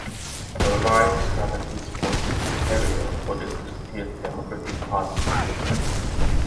Alvheim started his political career for the Christian Democratic Party.